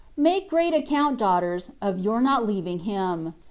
Make great aecoimt^ daughters^ of your not leaving Him.